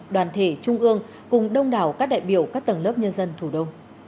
đoàn thể trung ương cùng đông đảo các đại biểu các tầng lớp nhân dân thủ đô